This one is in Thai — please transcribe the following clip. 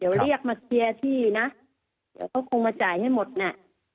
เดี๋ยวเรียกมาเคลียร์ที่นะเดี๋ยวเขาคงมาจ่ายให้หมดน่ะ